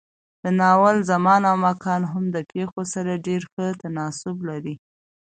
د ناول زمان او مکان هم د پېښو سره ډېر ښه تناسب لري.